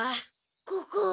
ここ。